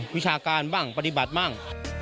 วิชาการบ้างปฏิบัติบ้าง